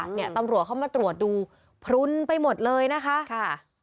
เนี่ยตำรวจเข้ามาตรวจดูพลุนไปหมดเลยนะคะค่ะ